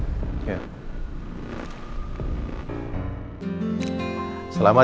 tepat di sekianter